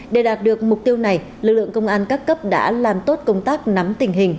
để đạt được mục tiêu này lực lượng công an các cấp đã làm tốt công tác nắm tình hình